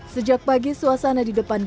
sejak pagi suasana di depan gelap